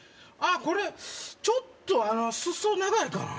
あっこれちょっと裾長いかな